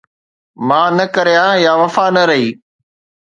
مان نه ڪريان يا وفا نه رهي